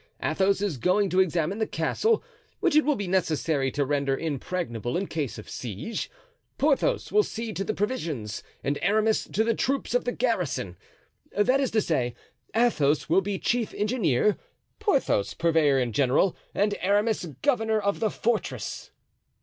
Athos is going to examine the castle, which it will be necessary to render impregnable in case of siege; Porthos will see to the provisions and Aramis to the troops of the garrison. That is to say, Athos will be chief engineer, Porthos purveyor in general, and Aramis governor of the fortress."